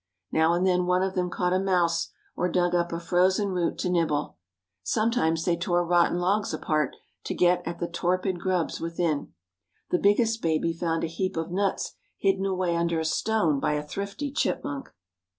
Now and then one of them caught a mouse or dug up a frozen root to nibble. Sometimes they tore rotten logs apart to get at the torpid grubs within. The biggest baby found a heap of nuts hidden away under a stone by a thrifty chipmunk.